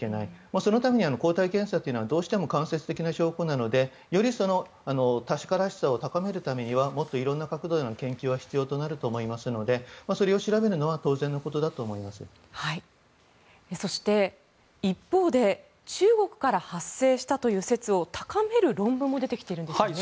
そのために抗体検査はどうしても間接的な証拠なのでより確からしさを確かめるためにはいろんなことへの研究が必要になると思いますのでそれを調べるのは当然のことだとそして、一方で中国から発生したという説を高める論文も出ているんですね。